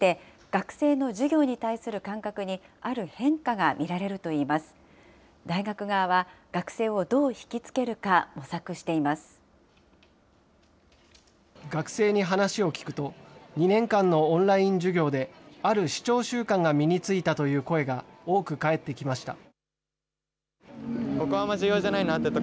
学生に話を聞くと、２年間のオンライン授業で、ある視聴習慣が身についたという声が多く返ってきました。